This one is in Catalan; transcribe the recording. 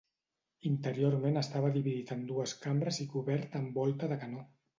Interiorment estava dividit en dues cambres i cobert amb volta de canó.